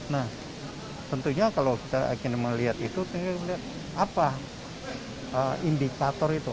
nah tentunya kalau kita ingin melihat itu saya melihat apa indikator itu